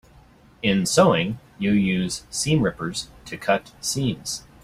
In sewing, you use seam rippers to cut seams.